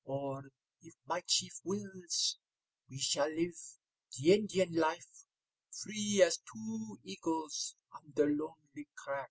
Or, if my chief wills, we shall live the Indian life, free as two eagles on their lonely crag."